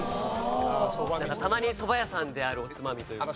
たまにそば屋さんであるおつまみというか。